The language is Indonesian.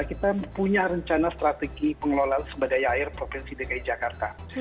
kita punya rencana strategi pengelolaan sumber daya air provinsi dki jakarta